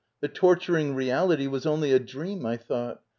The torturing reality was only a dream, I thought.